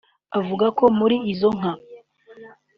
Avuga ko muri izo nka